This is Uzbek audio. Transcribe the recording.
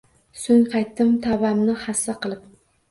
So‘ng qaytdim tavbamni hassa qilib